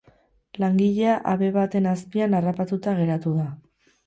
Langilea habe baten azpian harrapatuta geratu da.